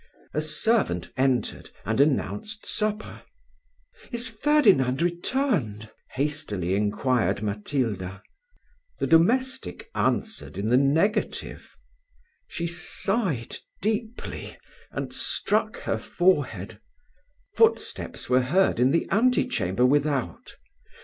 A servant entered, and announced supper. "Is Ferdinand returned?" hastily inquired Matilda. The domestic answered in the negative. She sighed deeply, and struck her forehead. Footsteps were heard in the antechamber without.